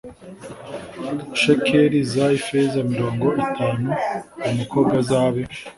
ushekeli z ifeza mirongo itanu uwo mukobwa azabe